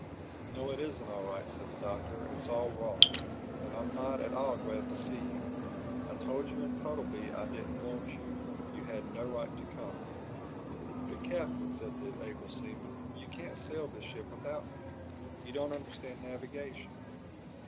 "No, it isn't all right," said the Doctor, "it's all wrong. And I'm not at all glad to see you. I told you in Puddleby I didn't want you. You had no right to come." "But Captain," said the able seaman, "you can't sail this ship without me. You don't understand navigation.